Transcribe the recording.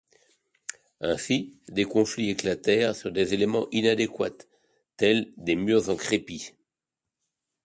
Ainsi des conflits éclatèrent sur des éléments inadéquats, tel des murs en crépi.